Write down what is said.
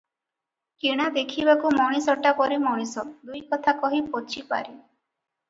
କିଣା ଦେଖିବାକୁ ମଣିଷଟା ପରି ମଣିଷ, ଦୁଇ କଥା କହି ପୋଛି ପାରେ ।